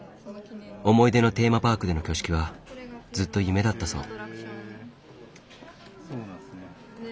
思い出のテーマパークでの挙式はずっと夢だったそう。